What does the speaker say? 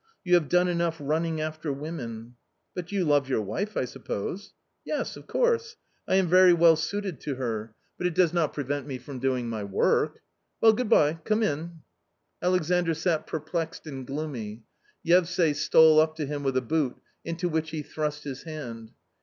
You have done enough running after women." " But you love your wife, I suppose ?"" Yes, of course. I am very well suited to her, but it A COMMON STORY 195 does not prevent me from doing my work. Well, good bye, come in." Alexandr sat perplexed and gloomy. Yevsay stole up to him with a boot, into which he thrust his hand.